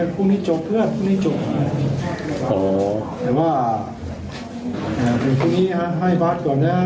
พรุ่งนี้จบเพื่อนพรุ่งนี้จบแต่ว่าพรุ่งนี้ให้บัตรก่อนนะ๒๕